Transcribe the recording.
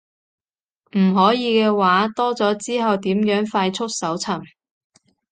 唔可以嘅話，多咗之後點樣快速搜尋